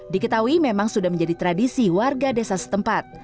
diketahui memang sudah menjadi tradisi warga desa setempat